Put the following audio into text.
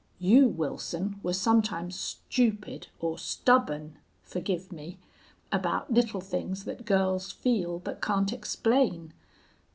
You, Wilson, were sometimes stupid or stubborn (forgive me) about little things that girls feel but can't explain.